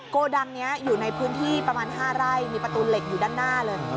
โกดังนี้อยู่ในพื้นที่ประมาณ๕ไร่มีประตูเหล็กอยู่ด้านหน้าเลย